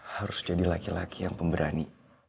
harus jadi laki laki yang pemberani